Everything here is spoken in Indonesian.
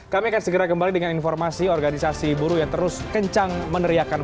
kami akan segera kembali dengan informasi organisasi buruh yang terus kencang meneriakan